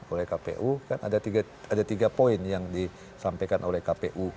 oleh kpu kan ada tiga poin yang disampaikan oleh kpu